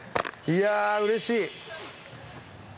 いやー、うれしい。